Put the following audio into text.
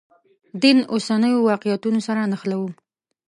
دین اوسنیو واقعیتونو سره نښلوو.